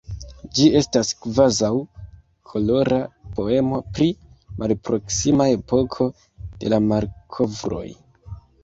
Ĝi estas kvazaŭ kolora poemo pri malproksima epoko de la malkovroj.